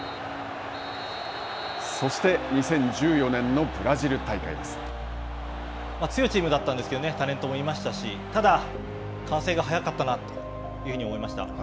そして２０１４年のブラジル大会強いチームだったんですけれどもね、タレントもいましたし、ただ、完成が早かったなというふうに思いました。